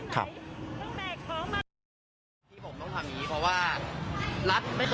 ครับ